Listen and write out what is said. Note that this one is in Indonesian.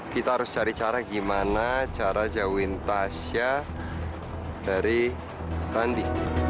kita harus cari cara gimana cara jauhin tasya dari randi